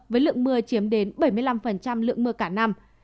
với lượng mưa chiếm đến bảy mươi năm lượng mưa cả năm